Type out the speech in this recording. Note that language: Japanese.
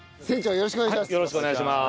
よろしくお願いします。